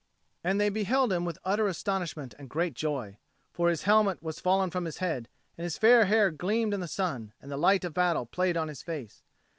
and they beheld him with utter astonishment and great joy. For his helmet was fallen from his head, and his fair hair gleamed in the sun, and the light of battle played on his face.